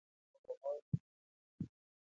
دوې هندواڼی درسره راوړه.